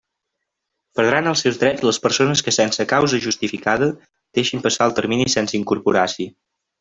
Perdran els seus drets les persones que sense causa justificada deixen passar el termini sense incorporar-s'hi.